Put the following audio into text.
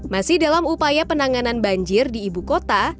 masih dalam upaya penanganan banjir di ibu kota